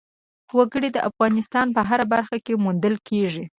وګړي د افغانستان په هره برخه کې موندل کېږي.